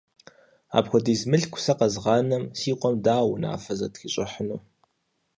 Апхуэдиз мылъку сэ къэзгъанэм си къуэм дауэ унафэ зэрытрищӀыхьынур?